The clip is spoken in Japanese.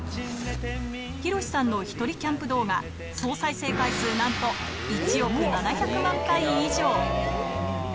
ヒロシさんのひとりキャンプ動画、総再生回数なんと１億７００万回以上。